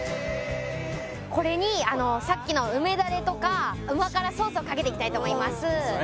これにさっきの梅ダレとか旨辛ソースをかけていきたいと思います。